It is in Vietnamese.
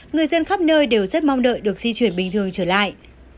người dân khắp nơi đều rất mong đợi được di chuyển bình thường trở lại